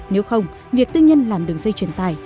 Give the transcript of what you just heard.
nếu không việc tư nhân làm đường dây truyền tài